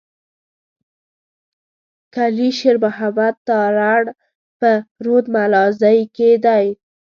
کلي شېر محمد تارڼ په رود ملازۍ کي دی.